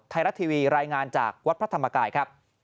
ไทยรัฐทีวีรายงานจากวัดพระธรรมกายครับ